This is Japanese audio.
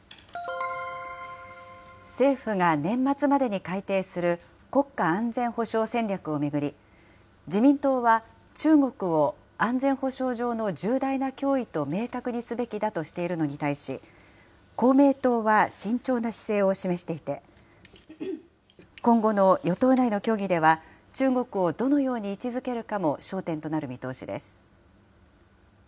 政府が年末までに改定する国家安全保障戦略を巡り、自民党は中国を、安全保障上の重大な脅威と明確にすべきだとしているのに対し、公明党は慎重な姿勢を示していて、今後の与党内の協議では、中国をどのように位置づけるかも焦点となる見通しです。